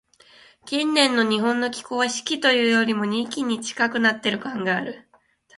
近年の日本の気候は、「四季」というよりも、「二季」に近くなっている感がある。